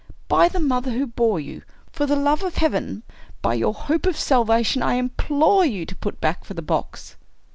By the mother who bore you — for the love of Heaven — by your hope of salvation, I implore you to put back for the box!